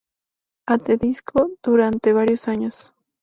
At The Disco durante varios años.